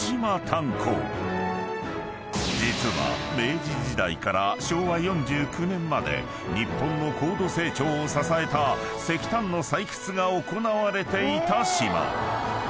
［実は明治時代から昭和４９年まで日本の高度成長を支えた石炭の採掘が行われていた島］